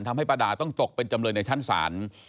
ทำให้ป้าดาต้องตกเป็นจำเลยในชั้นศาล